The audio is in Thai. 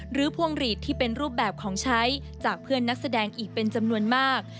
พวงหลีดที่เป็นรูปแบบของใช้จากเพื่อนนักแสดงอีกเป็นจำนวนมาก